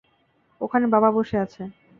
ওখানে বাবা বসে আছে।